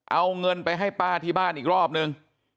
เอาเงินไปให้ป้าที่บ้านอีกรอบนึง